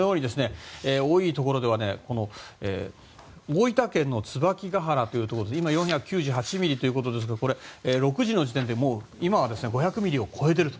多いところでは大分県の椿ケ鼻というところで今、４９８ミリということですけれどもこれは６時時点で今はもう５００ミリを超えていると。